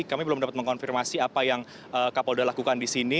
kami belum dapat mengkonfirmasi apa yang kapolda lakukan di sini